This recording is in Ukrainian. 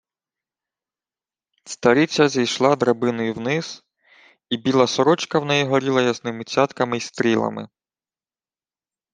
Стариця зійшла драбиною вниз, і біла сорочка в неї горіла ясними цятками й стрілами.